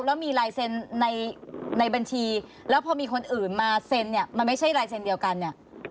แล้วมีลายเซ็นในบัญชีแล้วพอมีคนอื่นมาเซ็นเนี่ยมันไม่ใช่ลายเซ็นต์เดียวกันเนี่ย